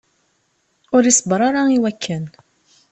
Ur iṣebber ara i wakken.